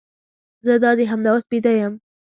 زه دادي همدا اوس بیده یم.